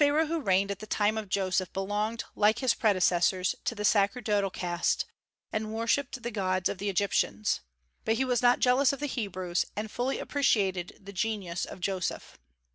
The Pharaoh who reigned at the time of Joseph belonged like his predecessors to the sacerdotal caste, and worshipped the gods of the Egyptians. But he was not jealous of the Hebrews, and fully appreciated the genius of Joseph.